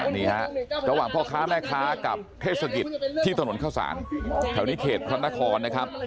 นี่ฮะระหว่างพ่อค้าแม่ค้ากับเทศกิจที่ถนนเข้าสารแถวนี้เขตพระนครนะครับ